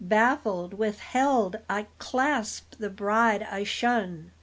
Baffled, withheld, I clasp the bride I shun.